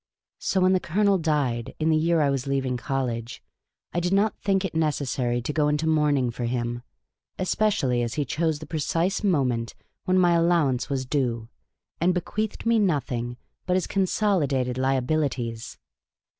So, when the Colonel died, in the year I was leaving college, I did not think it necessary to go into mourning for him, especially as he chose the precise moment when my allow 2 Miss Cayley's Adventures ance was due, and bequeathed me nothing but his consoli dated liabilities.